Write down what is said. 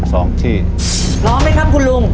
พร้อมไหมครับคุณลุง